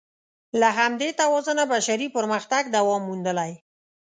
له همدې توازنه بشري پرمختګ دوام موندلی.